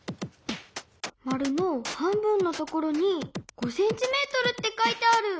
まるの半分のところに５ｃｍって書いてある。